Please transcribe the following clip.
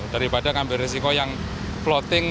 daripada ngambil risiko yang floating